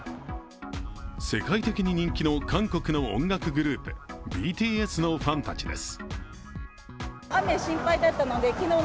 世界的に人気の韓国の音楽グループ、ＢＴＳのファンたちです。